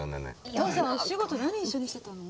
お父さんお仕事何一緒にしてたの？